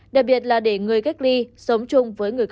đặc biệt là để người cách ly sống chung